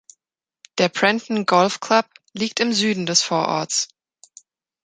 Der Prenton Golf Club liegt im Süden des Vororts.